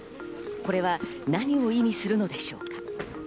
これは何を意味するのでしょうか。